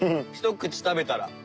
ひと口食べたら。